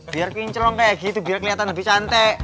biar kinclong kayak gitu biar kelihatan lebih cantik